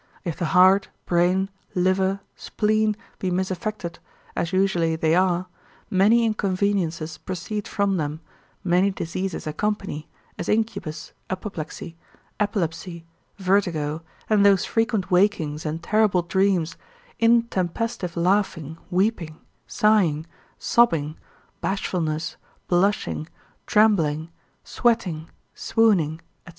If the heart, brain, liver, spleen, be misaffected, as usually they are, many inconveniences proceed from them, many diseases accompany, as incubus, apoplexy, epilepsy, vertigo, those frequent wakings and terrible dreams, intempestive laughing, weeping, sighing, sobbing, bashfulness, blushing, trembling, sweating, swooning, &c.